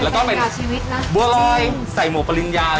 แล้วก็เป็นบัวลอยใส่หมวกปริญญา